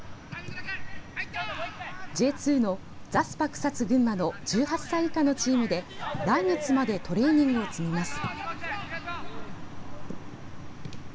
Ｊ２のザスパクサツ群馬の１８歳以下のチームで来月までトレーニングを積みます。